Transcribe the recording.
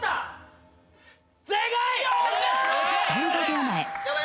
１５秒前。